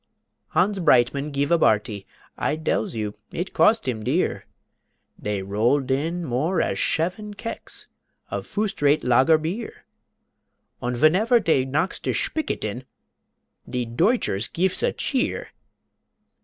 Hans Breitmann gife a barty, I dells you it cost him dear. Dey rolled in more ash sefen kecks Of foost rate Lager Beer. Und venefer dey knocks de shpicket in De Deutschers gifes a cheer.